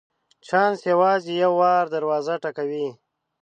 چانس یوازي یو وار دروازه ټکوي .